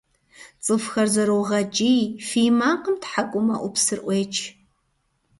Цӏыхухэр зэрогъэкӏий, фий макъым тхьэкӏумэӏупсыр ӏуеч.